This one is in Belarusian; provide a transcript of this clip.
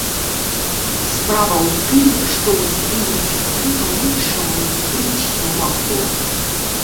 Справа ў тым, што ў тыя часы па-іншаму і быць не магло.